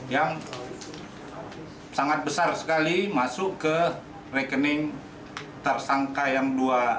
yang sangat besar sekali masuk ke rekening tersangka yang dua